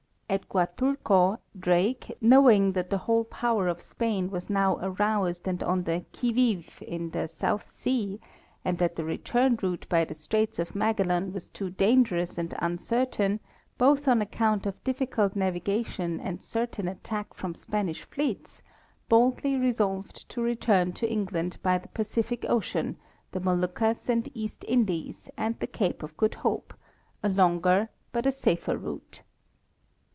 At Guatuleo* Drake, knowing that the whole*power of Spain was now aroused and on the qui vive in the South sea, and that the return route by the straits of Magellan was too dangerous and uncertain, both on account of difficult navigation and certain attack from Spanish fleets, boldly resolved to return to England by the Pacific ocean, the Moluccas and East Indies, and the cape of Good Hope, a longer but a safer route.